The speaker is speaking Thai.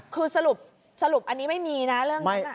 คือสรุปอันนี้ไม่มีนะเรื่องนั้น